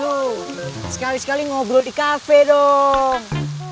aduh sekali sekali ngobrol di kafe dong